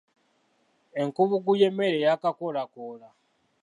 Enkubuggu y’emmere eyaakakoolakoola.